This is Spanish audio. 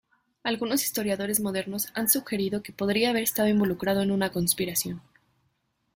Algunos historiadores modernos han sugerido que podría haber estado involucrado en una conspiración.